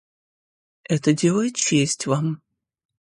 Это делает честь Вам.